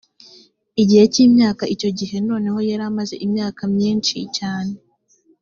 igihe cy imyaka icyo gihe noneho yari amaze imyaka myinci cyane